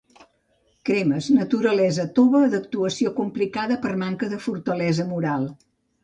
Cremes: naturalesa tova, d'actuació complicada per manca de fortalesa moral.